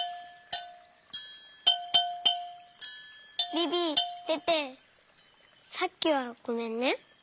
ビビテテさっきはごめんね。